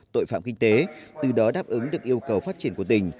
tội phạm kinh tế từ đó đáp ứng được yêu cầu phát triển của tỉnh